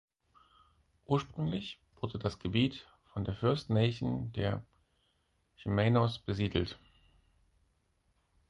Ursprünglich wurde das Gebiet von der First Nation der Chemainus besiedelt.